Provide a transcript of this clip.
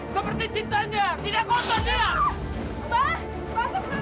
seperti cintanya tidak kotor dia